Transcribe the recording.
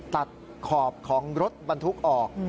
ตัดขอบของรถบรรทุกออก